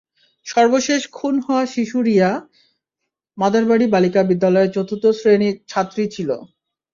সর্বশেষ খুন হওয়া শিশু রিয়া মাদারবাড়ি বালিকা বিদ্যালয়ের চতুর্থ শ্রেণির ছাত্রী ছিল।